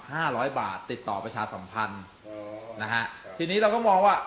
ห้าร้อยบาทติดต่อประชาสัมพันธ์โอ้นะฮะทีนี้เราก็มองว่า